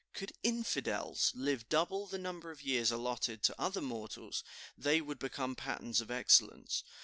Could infidels live double the number of years allotted to other mortals, they would become patterns of excellence.